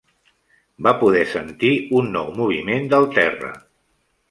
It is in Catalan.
Va poder sentir un nou moviment del terra.